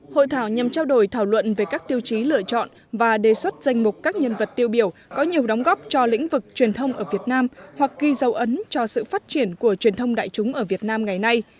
hội thảo nhằm trao đổi thảo luận về các tiêu chí lựa chọn và đề xuất danh mục các nhân vật tiêu biểu có nhiều đóng góp cho lĩnh vực truyền thông ở việt nam hoặc ghi dấu ấn cho sự phát triển của truyền thông đại chúng ở việt nam ngày nay